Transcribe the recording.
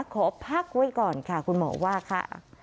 ขอพักไว้ก่อนค่ะคุณหมอว่าค่ะ